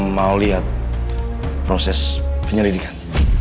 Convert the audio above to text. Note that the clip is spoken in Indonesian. mau lihat proses penyelidikan